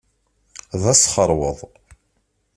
D asxeṛweḍ.